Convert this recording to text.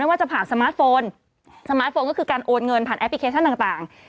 ว่าจะผ่านสมาร์ทโฟนสมาร์ทโฟนก็คือการโอนเงินผ่านแอปพลิเคชันต่าง